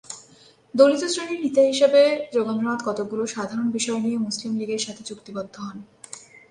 দলিত শ্রেণীর নেতা হিসেবে যোগেন্দ্রনাথ কতকগুলো সাধারণ বিষয় নিয়ে মুসলিম লীগের সাথে চুক্তিবদ্ধ হন।